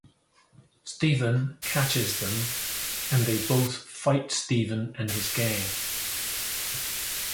Stephen catches them and they both fight Stephen and his gang.